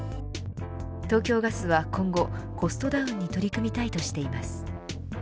東京ガスは今後、コストダウンに取り組みたいとしています。